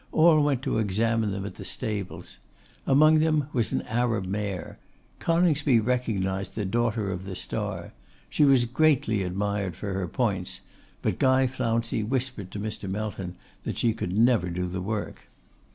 All went to examine them at the stables. Among them was an Arab mare. Coningsby recognised the Daughter of the Star. She was greatly admired for her points; but Guy Flouncey whispered to Mr. Melton that she never could do the work.